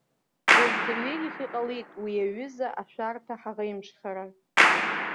Уажә дырҩегьых иҟалеит уи аҩыза ашәарҭа ҳаӷеимшхара.